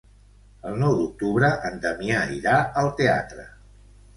El nou d'octubre en Damià irà al teatre.